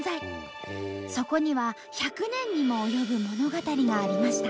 そこには１００年にも及ぶ物語がありました。